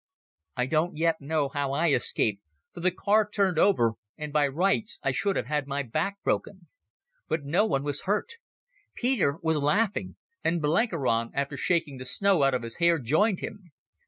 I don't yet know how I escaped, for the car turned over and by rights I should have had my back broken. But no one was hurt. Peter was laughing, and Blenkiron, after shaking the snow out of his hair, joined him.